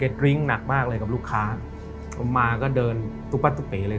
เค้าดริงค์หนักมากเลยกับลูกค้ามาก็เดินตุ๊กปัดตุ๊กเป๋เลย